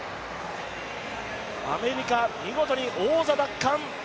アメリカ、見事に王座奪還。